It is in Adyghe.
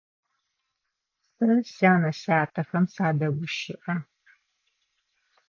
Сэ сянэ-сятэхэм садэгущыӏэ.